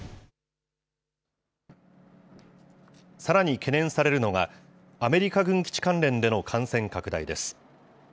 さらに懸念されるのが、アメリカ軍基地関連での感染拡大です。